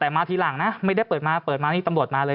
แต่มาทีหลังนะไม่ได้เปิดมาเปิดมานี่ตำรวจมาเลย